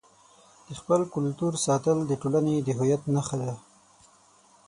د خپل کلتور ساتل د ټولنې د هویت نښه ده.